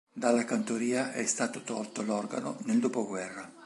Dalla cantoria è stato tolto l'organo nel dopoguerra.